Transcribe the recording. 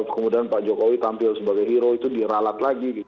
kemudian pak jokowi tampil sebagai hero itu diralat lagi